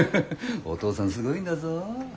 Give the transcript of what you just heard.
お父さんすごいんだぞ。